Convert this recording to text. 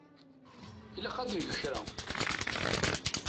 Ilaq ad neg kra.